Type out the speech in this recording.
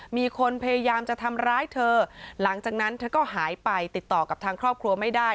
มีคนพยายามจะทำร้ายเธอหลังจากนั้นเธอก็หายไปติดต่อกับทางครอบครัวไม่ได้